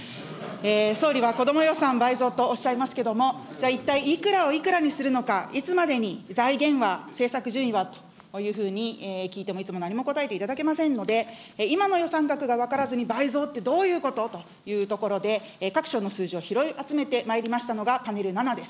総理は子ども予算倍増とおっしゃいますけれども、じゃあ、一体いくらをいくらにするのか、いつまでに、財源は、政策順位はというふうに聞いても、いつも何も答えていただけませんので、今の予算額が分からずに倍増ってどういうことというところで、各所の数字を拾い集めてまいりましたのが、パネル７です。